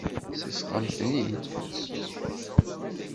Seffɣemt-ten-id.